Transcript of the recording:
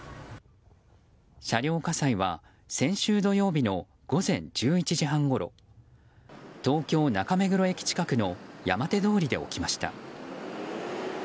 車両火災は先週土曜日の午前１１時半ごろ東京・中目黒駅近くの山手通りで起きました。